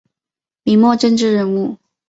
明末政治人物。